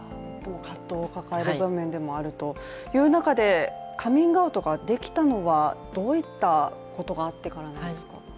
葛藤を抱える場面でもあるという中でカミングアウトができたのはどういったことがあってからなんですか？